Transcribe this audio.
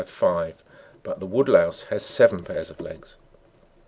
d have five, but the wood louse has seven pairs of legs.